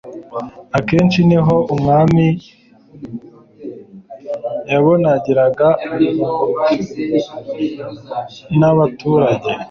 akenshi ni ho umwami yabonaniraga n'abaturage